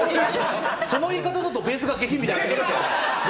その言い方だと、ベースが下品みたいに聞こえますよ。